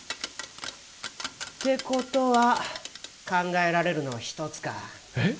てことは考えられるのは１つかえっ？